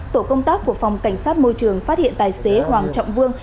tổ công tác của phòng cảnh sát môi trường phát hiện tài xế hoàng trọng vương